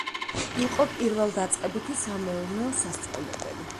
იყო პირველდაწყებითი სამეურნეო სასწავლებელი.